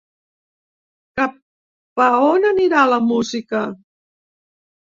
Cap a on anirà la música?